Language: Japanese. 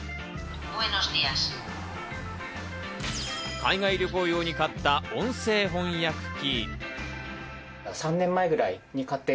海外旅行用に買った音声翻訳機。